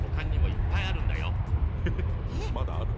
まだあるの？